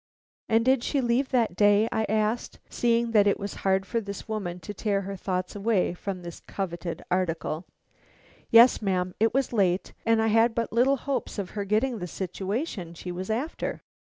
"And did she leave that day?" I asked, seeing that it was hard for this woman to tear her thoughts away from this coveted article. "Yes, ma'am. It was late, and I had but little hopes of her getting the situation she was after.